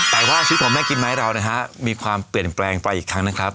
แต่ว่าชีวิตของแม่กิมไม้เรานะฮะมีความเปลี่ยนแปลงไปอีกครั้งนะครับ